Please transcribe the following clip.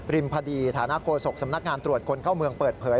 พอดีฐานะโฆษกสำนักงานตรวจคนเข้าเมืองเปิดเผย